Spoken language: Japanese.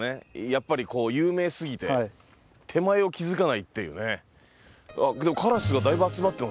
やっぱりこう有名すぎて手前を気付かないっていうね。